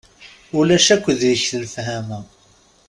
Ulac akk deg-k lefhama.